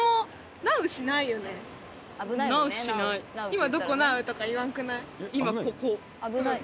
「今どこなう」とか言わんくない？